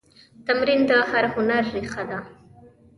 تمرین د هر هنر ریښه ده.